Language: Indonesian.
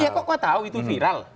ya kok tahu itu viral